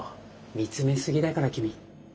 見つめ過ぎだから君。